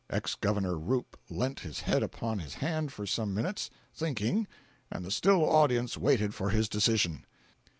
Ex Governor Roop leant his head upon his hand for some minutes, thinking, and the still audience waited for his decision.